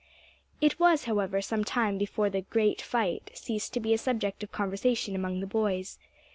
It was, however, some time before the "great fight" ceased to be a subject of conversation among the boys.